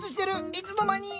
いつの間に！